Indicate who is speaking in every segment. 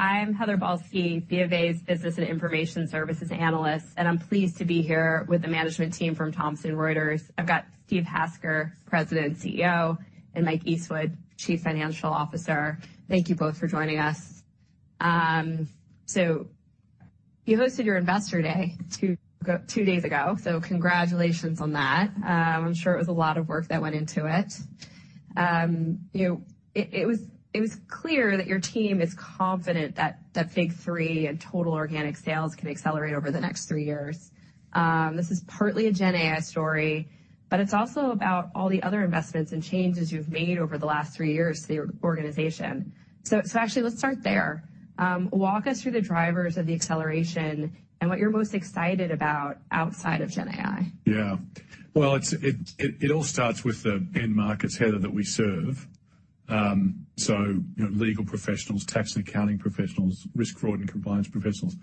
Speaker 1: I'm Heather Balsky, BofA's Business and Information Services Analyst, and I'm pleased to be here with the management team from Thomson Reuters. I've got Steve Hasker, President and CEO, and Mike Eastwood, Chief Financial Officer. Thank you both for joining us. You hosted your investor day two days ago, so congratulations on that. I'm sure it was a lot of work that went into it. You know, it was clear that your team is confident that Big Three and total organic sales can accelerate over the next three years. This is partly a GenAI story, but it's also about all the other investments and changes you've made over the last three years to your organization. So actually, let's start there. Walk us through the drivers of the acceleration and what you're most excited about outside of GenAI.
Speaker 2: Yeah. Well, it all starts with the end markets, Heather, that we serve. So, you know, legal professionals, tax and accounting professionals, risk, fraud, and compliance professionals.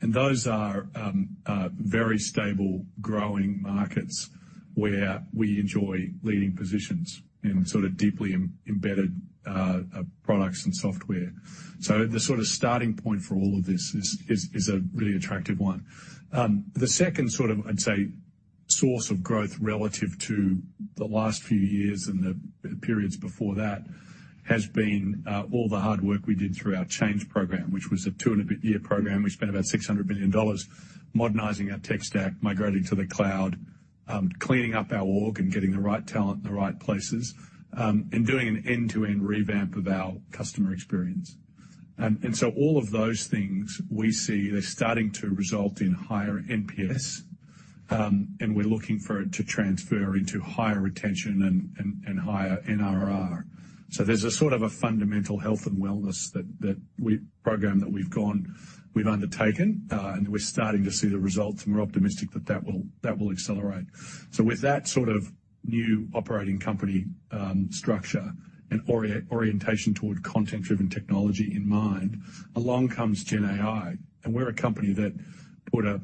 Speaker 2: Those are very stable, growing markets where we enjoy leading positions in sort of deeply embedded products and software. So the sort of starting point for all of this is a really attractive one. The second sort of, I'd say, source of growth relative to the last few years and the periods before that has been all the hard work we did through our change program, which was a 2-and-a-bit year program. We spent about $600 million modernizing our tech stack, migrating to the cloud, cleaning up our org and getting the right talent in the right places, and doing an end-to-end revamp of our customer experience. And so all of those things we see, they're starting to result in higher NPS, and we're looking for it to transfer into higher retention and higher NRR. So there's a sort of a fundamental health and wellness that we've undertaken, and we're starting to see the results, and we're optimistic that that will accelerate. So with that sort of new operating company structure and orientation toward content-driven technology in mind, along comes GenAI. And we're a company that put a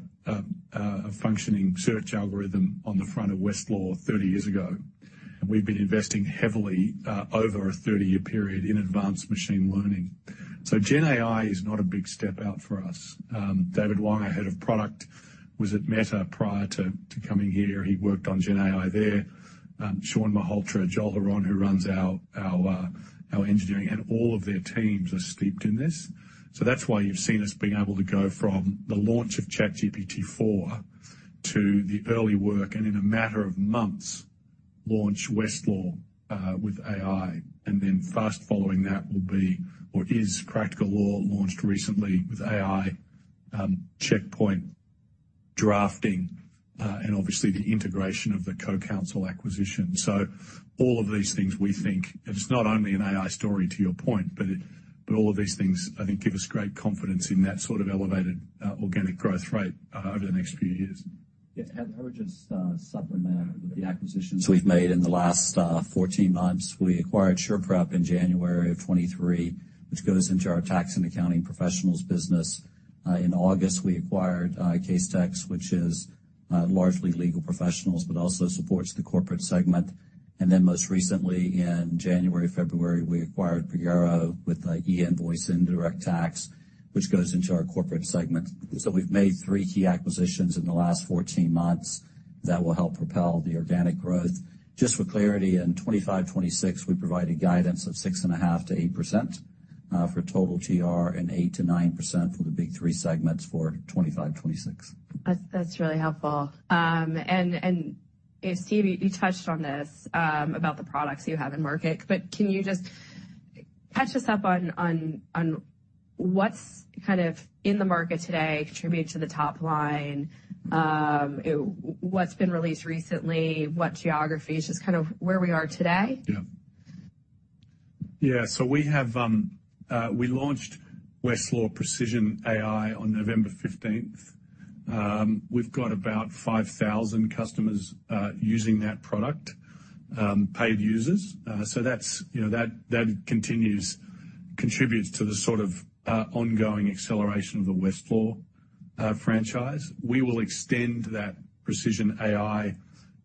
Speaker 2: functioning search algorithm on the front of Westlaw 30 years ago, and we've been investing heavily over a 30-year period in advanced machine learning. So GenAI is not a big step out for us. David Wong, our head of product, was at Meta prior to coming here. He worked on GenAI there. Shawn Malhotra, Joel Hron, who runs our engineering and all of their teams are steeped in this. So that's why you've seen us being able to go from the launch of ChatGPT-4 to the early work and, in a matter of months, launch Westlaw with AI. And then fast following that will be or is Practical Law launched recently with AI, Checkpoint drafting, and obviously the integration of the CoCounsel acquisition. So all of these things, we think, and it's not only an AI story to your point, but all of these things, I think, give us great confidence in that sort of elevated organic growth rate over the next few years.
Speaker 3: Yeah. Heather Balsky's, supplement with the acquisitions. So we've made in the last 14 months. We acquired SurePrep in January 2023, which goes into our tax and accounting professionals business. In August, we acquired Casetext, which is largely legal professionals but also supports the corporate segment. And then most recently, in January, February, we acquired Pagero with e-invoice indirect tax, which goes into our corporate segment. So we've made three key acquisitions in the last 14 months that will help propel the organic growth. Just for clarity, in 2025, 2026, we provided guidance of 6.5%-8% for total TR and 8%-9% for the Big Three segments for 2025, 2026.
Speaker 1: That's really helpful. You know, Steve, you touched on this, about the products you have in market, but can you just catch us up on what's kind of in the market today, contributing to the top line? You know, what's been released recently, what geographies, just kind of where we are today?
Speaker 2: Yeah. Yeah. So we have, we launched Westlaw Precision AI on November 15th. We've got about 5,000 customers using that product, paid users. So that's, you know, that, that continues contributes to the sort of ongoing acceleration of the Westlaw franchise. We will extend that Precision AI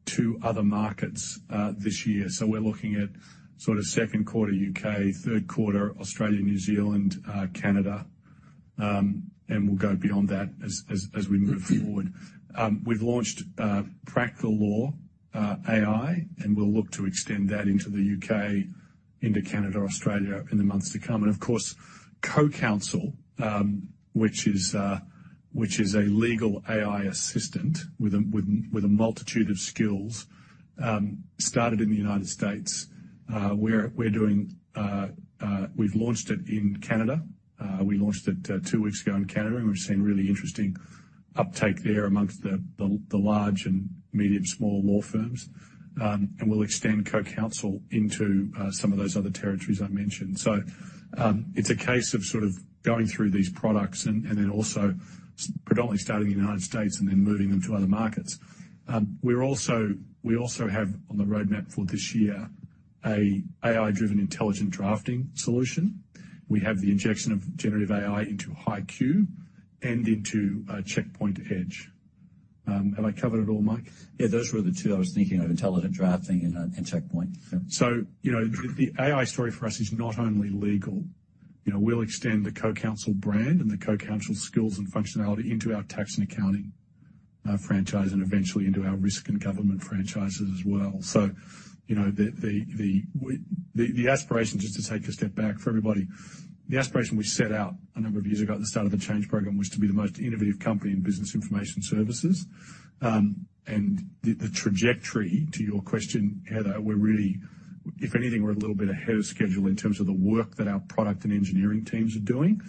Speaker 2: to other markets this year. So we're looking at sort of second quarter UK, third quarter Australia, New Zealand, Canada, and we'll go beyond that as, as, as we move forward. We've launched Practical Law AI, and we'll look to extend that into the UK, into Canada, Australia in the months to come. And of course, CoCounsel, which is, which is a legal AI assistant with a with, with a multitude of skills, started in the United States. We're, we're doing, we've launched it in Canada. We launched it two weeks ago in Canada, and we've seen really interesting uptake there amongst the large and medium-small law firms. We'll extend CoCounsel into some of those other territories I mentioned. So, it's a case of sort of going through these products and then also starting predominantly in the United States and then moving them to other markets. We also have on the roadmap for this year a AI-driven intelligent drafting solution. We have the injection of generative AI into HighQ and into Checkpoint Edge. Have I covered it all, Mike?
Speaker 3: Yeah. Those were the two I was thinking of, intelligent drafting and Checkpoint. Yeah.
Speaker 2: So, you know, the AI story for us is not only legal. You know, we'll extend the CoCounsel brand and the CoCounsel skills and functionality into our tax and accounting franchise and eventually into our risk and government franchises as well. So, you know, the aspiration just to take a step back for everybody, the aspiration we set out a number of years ago at the start of the change program was to be the most innovative company in business information services. And the trajectory to your question, Heather, we're really well, if anything, we're a little bit ahead of schedule in terms of the work that our product and engineering teams are doing.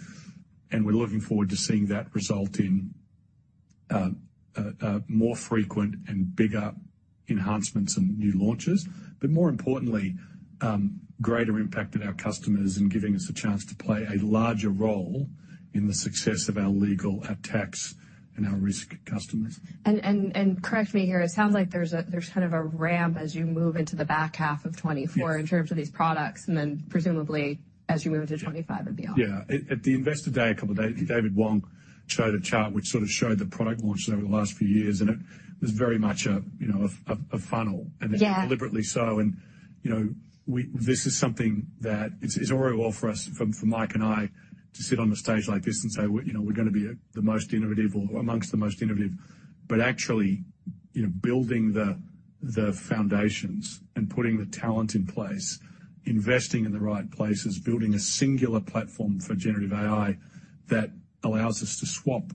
Speaker 2: We're looking forward to seeing that result in more frequent and bigger enhancements and new launches, but more importantly, greater impact at our customers and giving us a chance to play a larger role in the success of our legal, tax and our risk customers.
Speaker 1: Correct me here. It sounds like there's a kind of a ramp as you move into the back half of 2024 in terms of these products and then presumably as you move into 2025 and beyond.
Speaker 2: Yeah. At the investor day a couple of days, David Wong showed a chart which sort of showed the product launches over the last few years, and it was very much a, you know, a funnel. And it's deliberately so. You know, this is something that it's a view for us from Mike and I to sit on a stage like this and say, "You know, we're gonna be the most innovative or amongst the most innovative." But actually, you know, building the foundations and putting the talent in place, investing in the right places, building a singular platform for generative AI that allows us to swap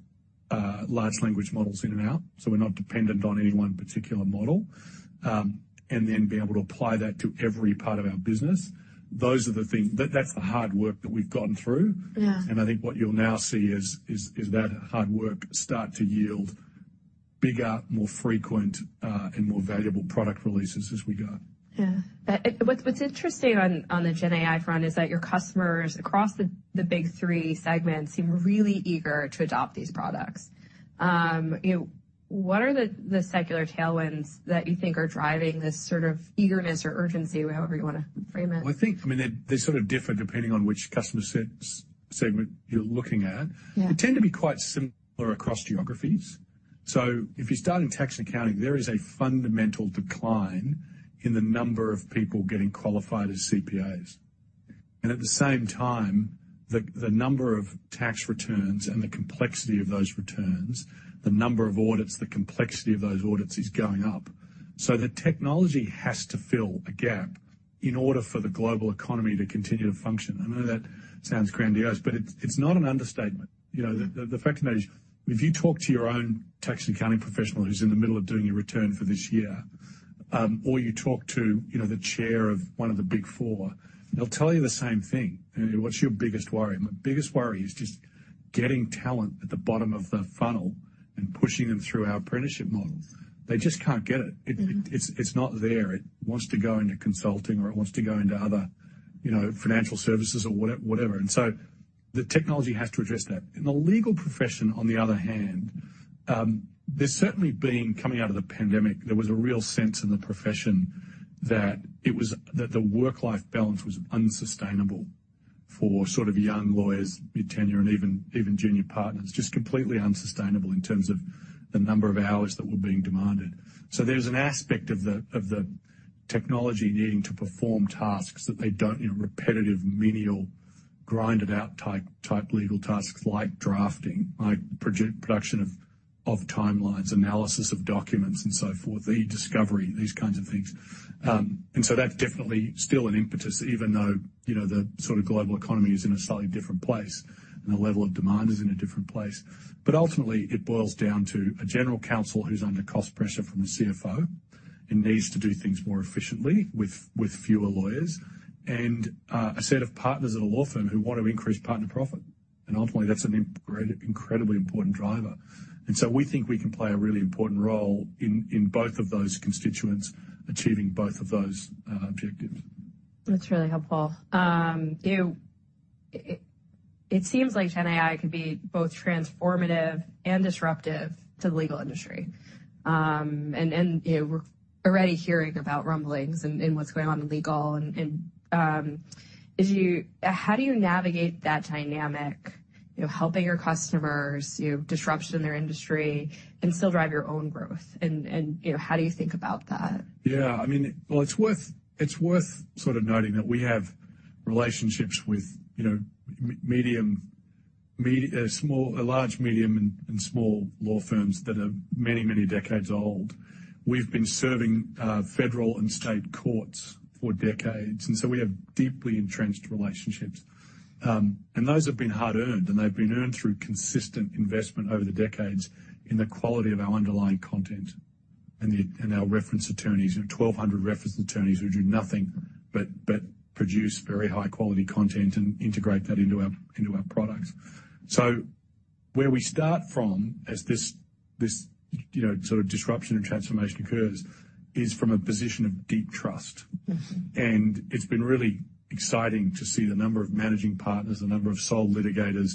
Speaker 2: large language models in and out so we're not dependent on any one particular model, and then be able to apply that to every part of our business, those are the things that, that's the hard work that we've gotten through.
Speaker 1: Yeah.
Speaker 2: I think what you'll now see is that hard work start to yield bigger, more frequent, and more valuable product releases as we go.
Speaker 1: Yeah. What's interesting on the GenAI front is that your customers across the Big Three segments seem really eager to adopt these products. You know, what are the secular tailwinds that you think are driving this sort of eagerness or urgency, however you wanna frame it?
Speaker 2: Well, I think I mean, they're sort of differ depending on which customer segment you're looking at.
Speaker 1: Yeah.
Speaker 2: They tend to be quite similar across geographies. So if you start in tax and accounting, there is a fundamental decline in the number of people getting qualified as CPAs. And at the same time, the number of tax returns and the complexity of those returns, the number of audits, the complexity of those audits is going up. So the technology has to fill a gap in order for the global economy to continue to function. I know that sounds grandiose, but it's not an understatement. You know, the fact of the matter is, if you talk to your own tax and accounting professional who's in the middle of doing your return for this year, or you talk to, you know, the chair of one of the Big Four, they'll tell you the same thing. You know, "What's your biggest worry?" "My biggest worry is just getting talent at the bottom of the funnel and pushing them through our apprenticeship model. They just can't get it. It's not there. It wants to go into consulting or it wants to go into other, you know, financial services or whatever, whatever." And so the technology has to address that. In the legal profession, on the other hand, there's certainly been coming out of the pandemic, there was a real sense in the profession that it was that the work-life balance was unsustainable for sort of young lawyers, mid-tenure, and even junior partners, just completely unsustainable in terms of the number of hours that were being demanded. So there's an aspect of the technology needing to perform tasks that they don't, you know, repetitive, menial, grinded-out type legal tasks like drafting, like document production of timelines, analysis of documents, and so forth, e-discovery, these kinds of things. So that's definitely still an impetus even though, you know, the sort of global economy is in a slightly different place, and the level of demand is in a different place. But ultimately, it boils down to a general counsel who's under cost pressure from the CFO and needs to do things more efficiently with fewer lawyers and a set of partners at a law firm who wanna increase partner profit. And ultimately, that's an incredibly important driver. And so we think we can play a really important role in both of those constituents achieving both of those objectives.
Speaker 1: That's really helpful. You know, it seems like GenAI could be both transformative and disruptive to the legal industry. And you know, we're already hearing about rumblings in what's going on in legal, and how do you navigate that dynamic, you know, helping your customers, you know, disruption in their industry and still drive your own growth? And you know, how do you think about that?
Speaker 2: Yeah. I mean, well, it's worth sort of noting that we have relationships with, you know, small, medium, and large law firms that are many, many decades old. We've been serving federal and state courts for decades, and so we have deeply entrenched relationships. Those have been hard-earned, and they've been earned through consistent investment over the decades in the quality of our underlying content and our reference attorneys, you know, 1,200 reference attorneys who do nothing but produce very high-quality content and integrate that into our products. So where we start from as this, you know, sort of disruption and transformation occurs is from a position of deep trust.
Speaker 1: Mm-hmm.
Speaker 2: And it's been really exciting to see the number of managing partners, the number of sole litigators,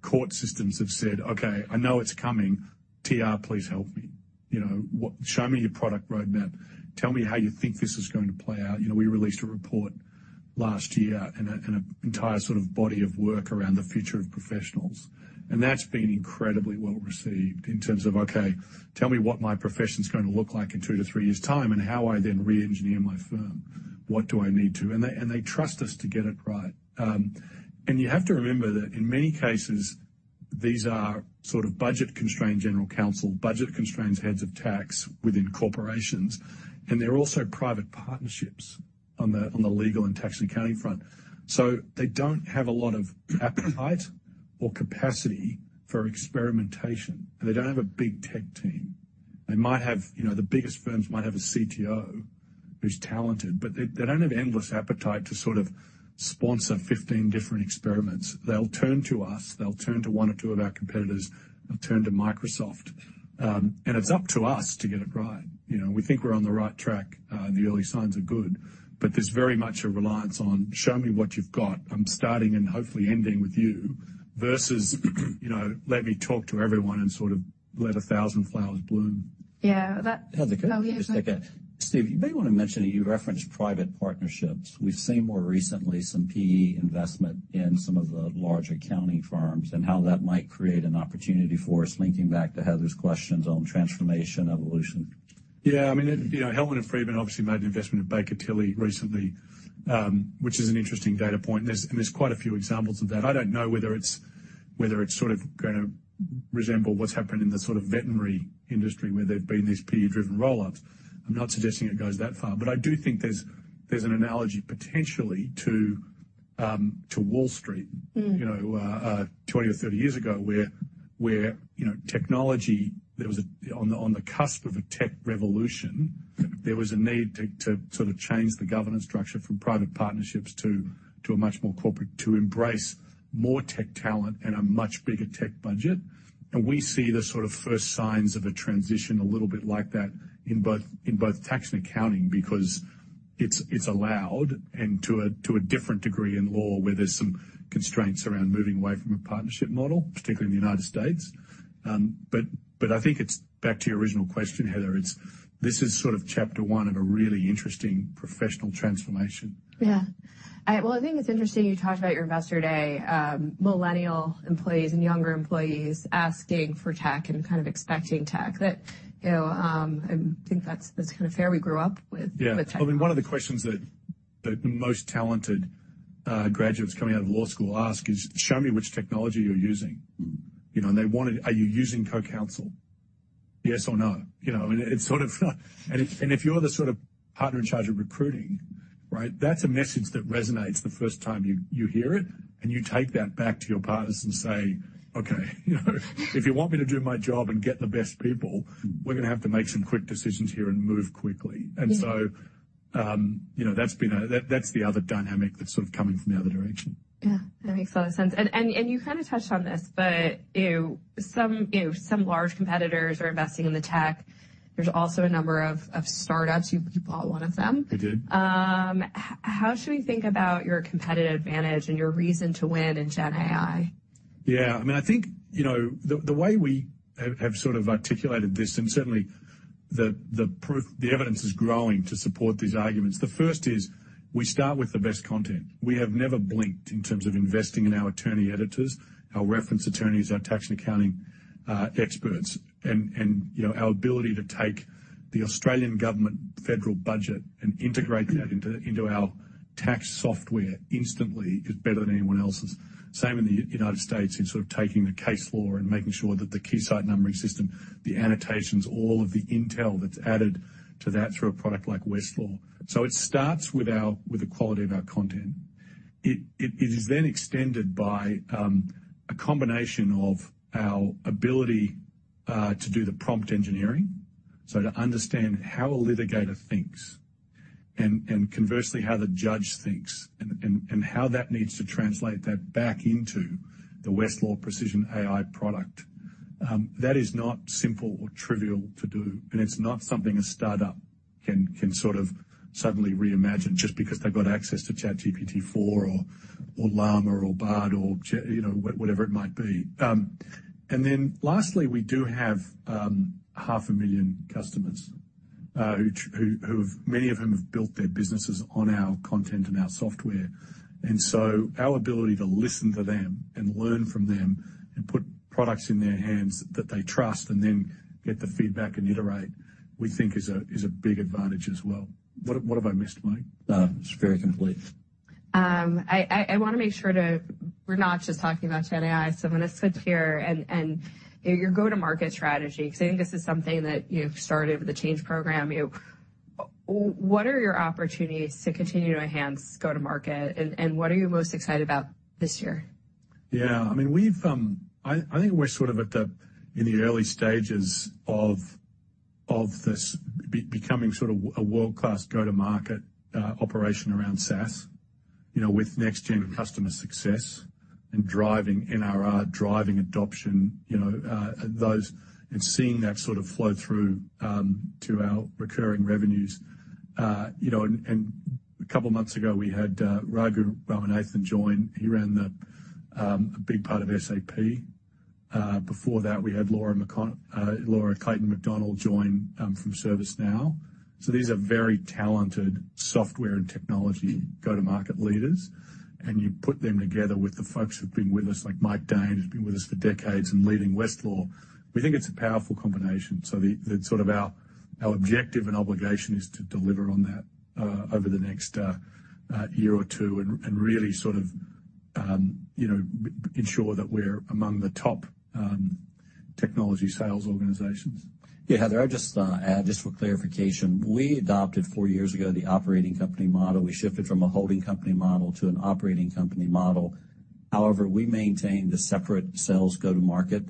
Speaker 2: court systems have said, "Okay. I know it's coming. TR, please help me." You know, "What show me your product roadmap. Tell me how you think this is going to play out." You know, we released a report last year and an entire sort of body of work around the future of professionals. And that's been incredibly well-received in terms of, "Okay. Tell me what my profession's gonna look like in two to three years' time and how I then re-engineer my firm. What do I need to?" And they trust us to get it right. You have to remember that in many cases, these are sort of budget-constrained general counsel, budget-constrained heads of tax within corporations, and they're also private partnerships on the legal and tax and accounting front. So they don't have a lot of appetite or capacity for experimentation, and they don't have a big tech team. They might have, you know, the biggest firms might have a CTO who's talented, but they don't have endless appetite to sort of sponsor 15 different experiments. They'll turn to us. They'll turn to one or two of our competitors. They'll turn to Microsoft. And it's up to us to get it right. You know, we think we're on the right track, and the early signs are good, but there's very much a reliance on, "Show me what you've got. I'm starting and hopefully ending with you," versus, you know, "Let me talk to everyone and sort of let 1,000 flowers bloom.
Speaker 1: Yeah. That.
Speaker 3: Heather, could I just take a?
Speaker 2: Oh, yeah.
Speaker 3: Steve, you may wanna mention that you referenced private partnerships. We've seen more recently some PE investment in some of the large accounting firms and how that might create an opportunity for us linking back to Heather's questions on transformation, evolution.
Speaker 2: Yeah. I mean, it, you know, Hellman & Friedman obviously made an investment in Baker Tilly recently, which is an interesting data point. And there's quite a few examples of that. I don't know whether it's sort of gonna resemble what's happened in the sort of veterinary industry where there've been these PE-driven roll-ups. I'm not suggesting it goes that far, but I do think there's an analogy potentially to Wall Street. You know, 20 or 30 years ago where, you know, technology there was on the cusp of a tech revolution, there was a need to sort of change the governance structure from private partnerships to a much more corporate to embrace more tech talent and a much bigger tech budget. We see the sort of first signs of a transition a little bit like that in both tax and accounting because it's allowed and to a different degree in law where there's some constraints around moving away from a partnership model, particularly in the United States. But I think it's back to your original question, Heather. This is sort of chapter one of a really interesting professional transformation.
Speaker 1: Yeah. All right. Well, I think it's interesting you talked about your investor day, Millennial employees and younger employees asking for tech and kind of expecting tech. That, you know, I think that's, that's kinda fair. We grew up with.
Speaker 2: Yeah.
Speaker 1: With tech.
Speaker 2: Well, I mean, one of the questions that most talented graduates coming out of law school ask is, "Show me which technology you're using." You know, and they wanted, "Are you using CoCounsel? Yes or no?" You know, and it's sort of, and if you're the sort of partner in charge of recruiting, right, that's a message that resonates the first time you hear it, and you take that back to your partners and say, "Okay. You know, if you want me to do my job and get the best people, we're gonna have to make some quick decisions here and move quickly." And so.
Speaker 1: Yeah.
Speaker 2: You know, that's been—that's the other dynamic that's sort of coming from the other direction.
Speaker 1: Yeah. That makes a lot of sense. And you kinda touched on this, but you know, some large competitors are investing in the tech. There's also a number of startups. You bought one of them.
Speaker 2: We did.
Speaker 1: How should we think about your competitive advantage and your reason to win in GenAI?
Speaker 2: Yeah. I mean, I think, you know, the way we have sort of articulated this and certainly the proof, the evidence is growing to support these arguments. The first is we start with the best content. We have never blinked in terms of investing in our attorney editors, our reference attorneys, our tax and accounting experts. And you know, our ability to take the Australian government federal budget and integrate that into our tax software instantly is better than anyone else's. Same in the United States in sort of taking the case law and making sure that the key cite numbering system, the annotations, all of the intel that's added to that through a product like Westlaw. So it starts with the quality of our content. It is then extended by a combination of our ability to do the prompt engineering, so to understand how a litigator thinks and conversely, how the judge thinks and how that needs to translate that back into the Westlaw Precision AI product. That is not simple or trivial to do, and it's not something a startup can sort of suddenly reimagine just because they've got access to ChatGPT-4 or Llama or Bard or, you know, what, whatever it might be. And then lastly, we do have 500,000 customers, many of whom have built their businesses on our content and our software. And so our ability to listen to them and learn from them and put products in their hands that they trust and then get the feedback and iterate, we think, is a big advantage as well. What have I missed, Mike?
Speaker 3: It's very complete.
Speaker 1: I wanna make sure that we're not just talking about GenAI, so I'm gonna switch here and, and, you know, your go-to-market strategy 'cause I think this is something that, you know, started with the change program. You know, what are your opportunities to continue to enhance go-to-market, and, and what are you most excited about this year?
Speaker 2: Yeah. I mean, we've, I think we're sort of at the in the early stages of, of this becoming sort of a world-class go-to-market operation around SaaS, you know, with next-gen customer success and driving NRR, driving adoption, you know, those and seeing that sort of flow through to our recurring revenues, you know, and a couple months ago, we had Raghu Ramanathan join. He ran a big part of SAP. Before that, we had Laura Clayton McDonnell join from ServiceNow. So these are very talented software and technology go-to-market leaders, and you put them together with the folks who've been with us, like Mike Dane, who's been with us for decades and leading Westlaw. We think it's a powerful combination. So, our objective and obligation is to deliver on that over the next year or two and really sort of, you know, ensure that we're among the top technology sales organizations.
Speaker 3: Yeah. Heather, I'll just add just for clarification. We adopted four years ago the operating company model. We shifted from a holding company model to an operating company model. However, we maintain the separate sales go-to-market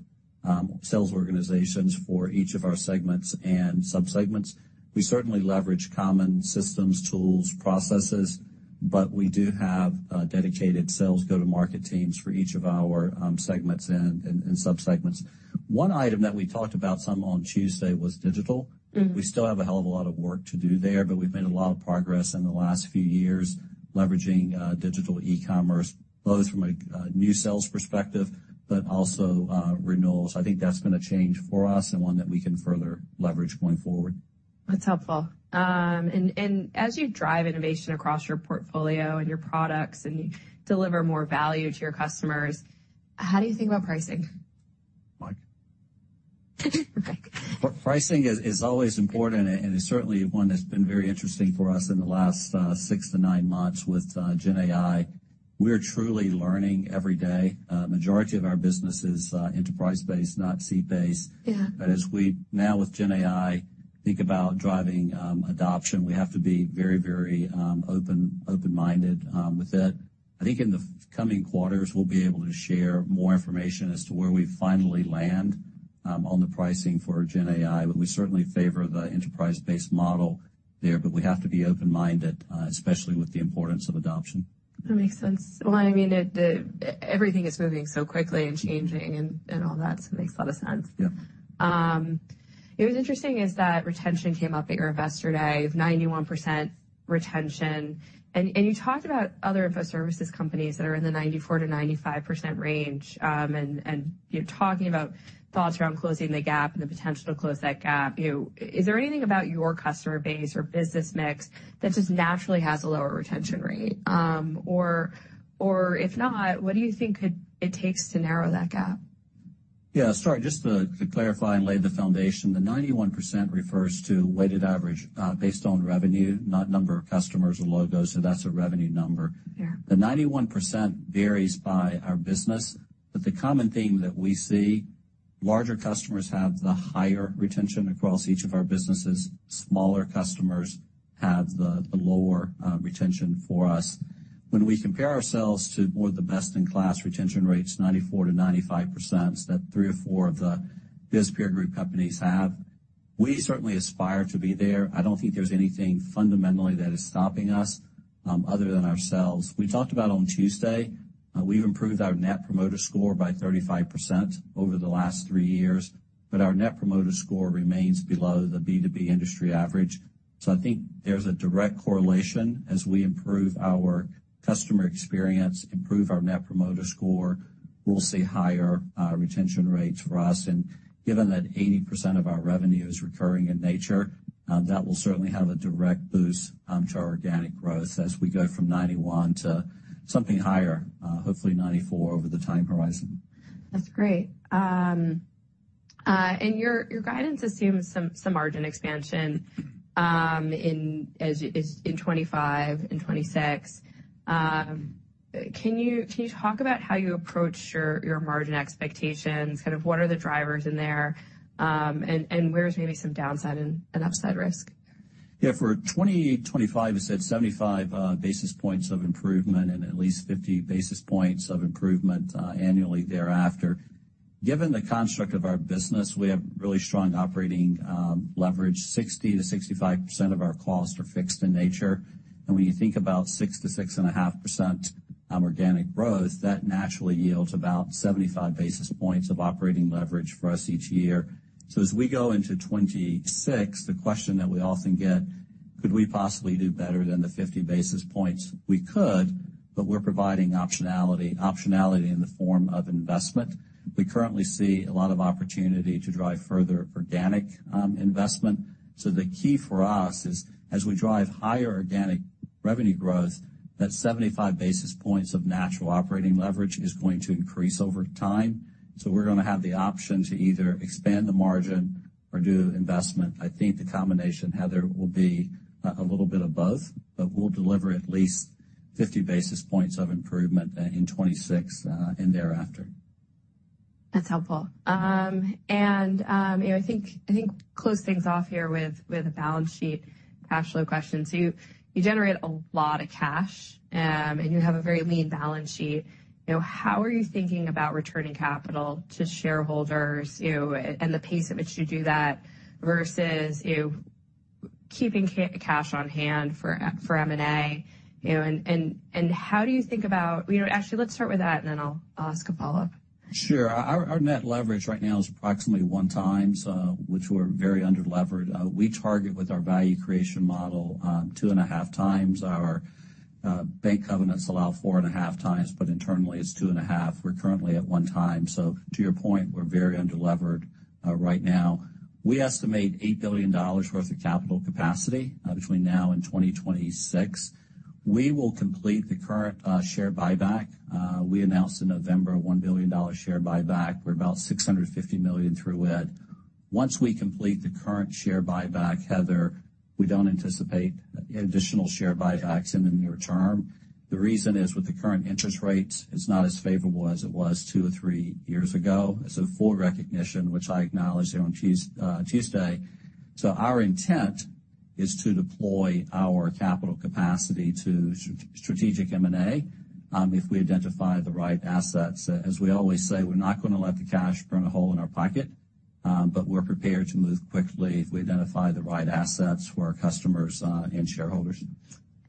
Speaker 3: sales organizations for each of our segments and subsegments. We certainly leverage common systems, tools, processes, but we do have dedicated sales go-to-market teams for each of our segments and subsegments. One item that we talked about some on Tuesday was digital. We still have a hell of a lot of work to do there, but we've made a lot of progress in the last few years leveraging digital e-commerce, both from a new sales perspective but also renewals. I think that's been a change for us and one that we can further leverage going forward.
Speaker 1: That's helpful. As you drive innovation across your portfolio and your products and you deliver more value to your customers, how do you think about pricing?
Speaker 2: Mike?
Speaker 1: Mike.
Speaker 3: Pricing is always important, and it's certainly one that's been very interesting for us in the last 6-9 months with GenAI. We're truly learning every day. Majority of our business is enterprise-based, not seat-based.
Speaker 1: Yeah.
Speaker 3: But as we now with GenAI think about driving adoption, we have to be very, very open, open-minded with it. I think in the coming quarters, we'll be able to share more information as to where we finally land on the pricing for GenAI. But we certainly favor the enterprise-based model there, but we have to be open-minded, especially with the importance of adoption.
Speaker 1: That makes sense. Well, I mean, everything is moving so quickly and changing and all that, so it makes a lot of sense.
Speaker 3: Yeah.
Speaker 1: You know, what's interesting is that retention came up at your investor day. You have 91% retention. And you talked about other info services companies that are in the 94%-95% range, and, you know, talking about thoughts around closing the gap and the potential to close that gap. You know, is there anything about your customer base or business mix that just naturally has a lower retention rate? Or, if not, what do you think it takes to narrow that gap?
Speaker 3: Yeah. Sorry. Just to clarify and lay the foundation, the 91% refers to weighted average, based on revenue, not number of customers or logos, so that's a revenue number.
Speaker 1: Yeah.
Speaker 3: The 91% varies by our business, but the common theme that we see, larger customers have the higher retention across each of our businesses. Smaller customers have the lower retention for us. When we compare ourselves to more of the best-in-class retention rates, 94%-95%, so that three or four of the BIS peer Group companies have, we certainly aspire to be there. I don't think there's anything fundamentally that is stopping us, other than ourselves. We talked about on Tuesday, we've improved our Net Promoter Score by 35% over the last three years, but our Net Promoter Score remains below the B2B industry average. So I think there's a direct correlation. As we improve our customer experience, improve our Net Promoter Score, we'll see higher retention rates for us. Given that 80% of our revenue is recurring in nature, that will certainly have a direct boost to our organic growth as we go from 91 to something higher, hopefully 94 over the time horizon.
Speaker 1: That's great. And your guidance assumes some margin expansion, in as in 2025 and 2026. Can you talk about how you approach your margin expectations? Kind of, what are the drivers in there, and where's maybe some downside and upside risk?
Speaker 3: Yeah. For 2025, it's at 75 basis points of improvement and at least 50 basis points of improvement, annually thereafter. Given the construct of our business, we have really strong operating leverage. 60%-65% of our costs are fixed in nature. And when you think about 6%-6.5% organic growth, that naturally yields about 75 basis points of operating leverage for us each year. So as we go into 2026, the question that we often get, "Could we possibly do better than the 50 basis points?" We could, but we're providing optionality, optionality in the form of investment. We currently see a lot of opportunity to drive further organic investment. So the key for us is as we drive higher organic revenue growth, that 75 basis points of natural operating leverage is going to increase over time. So we're gonna have the option to either expand the margin or do investment. I think the combination, Heather, will be a little bit of both, but we'll deliver at least 50 basis points of improvement in 2026 and thereafter.
Speaker 1: That's helpful. You know, I think I think close things off here with a balance sheet cash flow question. You generate a lot of cash, and you have a very lean balance sheet. You know, how are you thinking about returning capital to shareholders, you know, and the pace at which you do that versus, you know, keeping cash on hand for M&A? You know, and how do you think about—actually, let's start with that, and then I'll ask a follow-up.
Speaker 3: Sure. Our net leverage right now is approximately 1x, which we're very underlevered. We target with our value creation model 2.5x. Our bank covenants allow 4.5x, but internally, it's 2.5x. We're currently at 1x. So to your point, we're very underlevered right now. We estimate $8 billion worth of capital capacity between now and 2026. We will complete the current share buyback. We announced in November a $1 billion share buyback. We're about $650 million through it. Once we complete the current share buyback, Heather, we don't anticipate additional share buybacks in the near term. The reason is with the current interest rates, it's not as favorable as it was two or three years ago. It's a full recognition, which I acknowledged, you know, on Tuesday. So our intent is to deploy our capital capacity to strategic M&A, if we identify the right assets. As we always say, we're not gonna let the cash burn a hole in our pocket, but we're prepared to move quickly if we identify the right assets for our customers, and shareholders.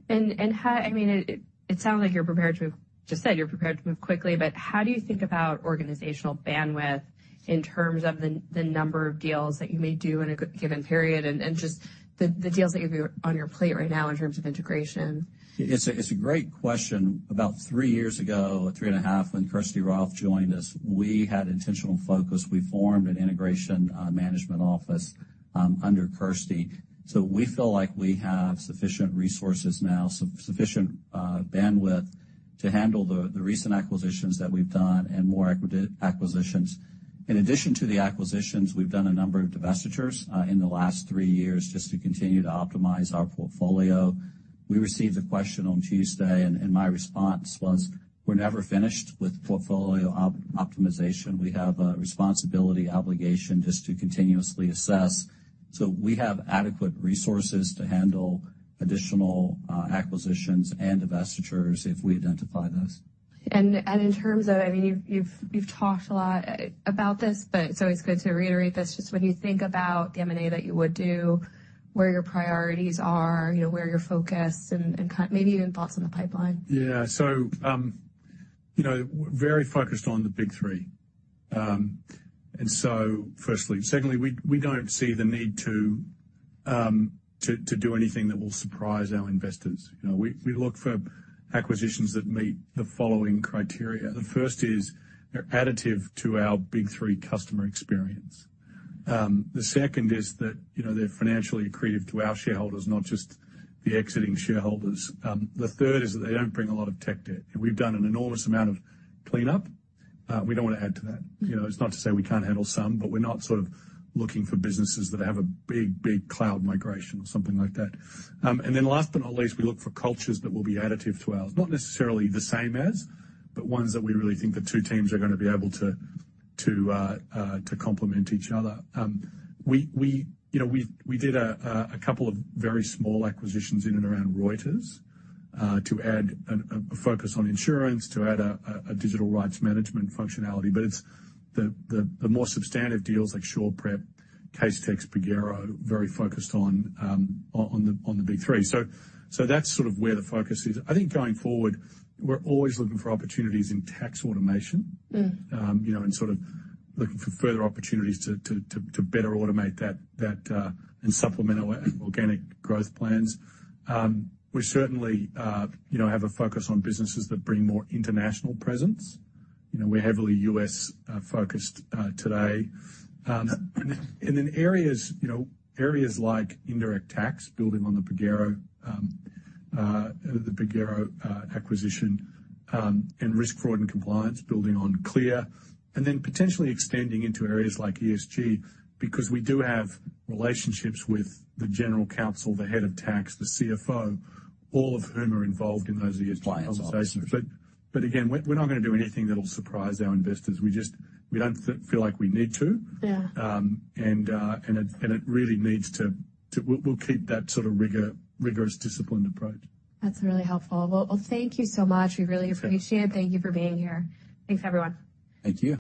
Speaker 1: How, I mean, it sounds like you're prepared to move, just as you said, you're prepared to move quickly, but how do you think about organizational bandwidth in terms of the number of deals that you may do in a given period and just the deals that you've got on your plate right now in terms of integration?
Speaker 3: It's a great question. About three years ago, 3.5, when Kirsty Roth joined us, we had intentional focus. We formed an integration management office under Kirsty. So we feel like we have sufficient resources now, sufficient bandwidth to handle the recent acquisitions that we've done and more acquisitions. In addition to the acquisitions, we've done a number of divestitures in the last three years just to continue to optimize our portfolio. We received a question on Tuesday, and my response was, "We're never finished with portfolio optimization. We have a responsibility, obligation just to continuously assess." So we have adequate resources to handle additional acquisitions and divestitures if we identify those.
Speaker 1: In terms of, I mean, you've talked a lot about this, but it's always good to reiterate this just when you think about the M&A that you would do, where your priorities are, you know, where you're focused, and kind of maybe even thoughts on the pipeline.
Speaker 2: Yeah. So, you know, we're very focused on the Big Three. And so, firstly, secondly, we don't see the need to do anything that will surprise our investors. You know, we look for acquisitions that meet the following criteria. The first is they're additive to our Big Three customer experience. The second is that, you know, they're financially accretive to our shareholders, not just the exiting shareholders. The third is that they don't bring a lot of tech debt. And we've done an enormous amount of cleanup. We don't wanna add to that. You know, it's not to say we can't handle some, but we're not sort of looking for businesses that have a big, big cloud migration or something like that. And then last but not least, we look for cultures that will be additive to ours, not necessarily the same as, but ones that we really think the two teams are gonna be able to complement each other. We, you know, we did a couple of very small acquisitions in and around Reuters, to add a focus on insurance, to add a digital rights management functionality. But it's the more substantive deals like SurePrep, Casetext, Pagero, very focused on the Big Three. So that's sort of where the focus is. I think going forward, we're always looking for opportunities in tax automation.
Speaker 3: You know, and sort of looking for further opportunities to better automate that, and supplement our organic growth plans. We certainly, you know, have a focus on businesses that bring more international presence. You know, we're heavily U.S.-focused today. And then areas, you know, areas like indirect tax, building on the Pagero acquisition, and risk fraud and compliance, building on CLEAR, and then potentially extending into areas like ESG because we do have relationships with the general counsel, the head of tax, the CFO, all of whom are involved in those ESG conversations.
Speaker 1: Client side.
Speaker 3: But again, we're not gonna do anything that'll surprise our investors. We just don't feel like we need to.
Speaker 1: Yeah.
Speaker 3: and it really needs to. We'll keep that sort of rigorous, disciplined approach.
Speaker 1: That's really helpful. Well, well, thank you so much. We really appreciate.
Speaker 3: Thank you.
Speaker 1: Thank you for being here. Thanks, everyone.
Speaker 3: Thank you.